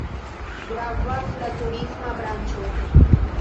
Gravas la turisma branĉo.